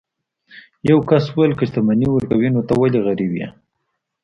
یو کس وویل که شتمني ورکوي نو ته ولې غریب یې.